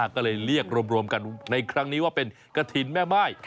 ก็เลยเรียกรวมกันในครั้งนี้ว่าเป็นกระถิ่นแม่ม่าย